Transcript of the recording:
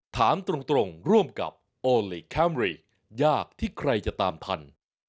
ถามตรงร่วมกับโอลี่คัมรี่ยากที่ใครจะตามทัน